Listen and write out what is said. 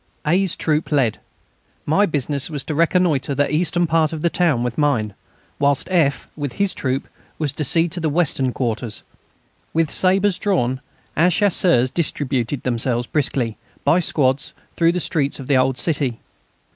A.'s troop led. My business was to reconnoitre the eastern part of the town with mine, whilst F., with his troop, was to see to the western quarters. With sabres drawn, our Chasseurs distributed themselves briskly, by squads, through the streets of the old city.